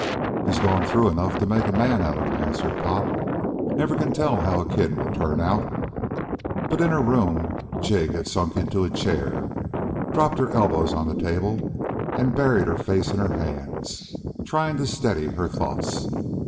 "He's gone through enough to make a man of him," answered Pop. "Never can tell how a kid will turn out." But in her room Jig had sunk into a chair, dropped her elbows on the table, and buried her face in her hands, trying to steady her thoughts.